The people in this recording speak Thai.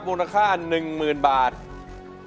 น้องกาฟิวร้อง